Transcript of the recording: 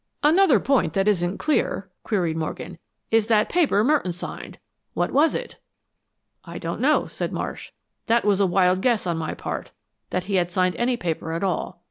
"Another point that isn't clear," queried Morgan, "is that paper Merton signed. What was it?" "I don't know," said Marsh. "That was a wild guess on my part; that he had signed any paper at all.